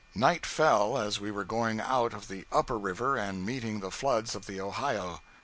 Night fell as we were going out of the 'Upper River' and meeting the floods of the Ohio.